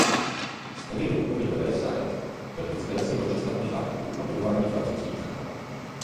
Stairův pobyt ve Versailles byl inspirací pro přestavbu zámku a budování francouzských zahrad.